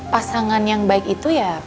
pasangan yang baik itu ya